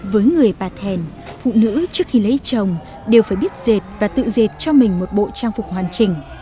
với người bà thèn phụ nữ trước khi lấy chồng đều phải biết dệt và tự dệt cho mình một bộ trang phục hoàn chỉnh